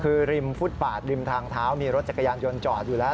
คือริมฟุตปาดริมทางเท้ามีรถจักรยานยนต์จอดอยู่แล้ว